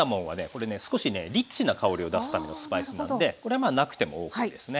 これね少しねリッチな香りを出すためのスパイスなんでこれまあなくてもＯＫですね。